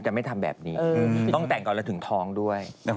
ก็จะไม่ทำแบบนี้ต้องแต่งก่อนถึงท้องด้วย